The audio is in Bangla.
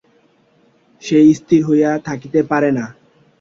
সে স্থির হইয়া থাকিতে পারে না।